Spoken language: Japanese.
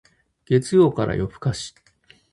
月曜から夜更かし